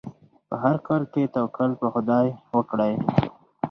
په هر کار کې توکل په خدای وکړئ.